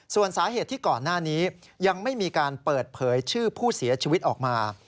ส่วนสาเหตุที่ก่อนหน้านี้ยังไม่มีการเปิดเผยชื่อผู้เสียชีวิตออกมา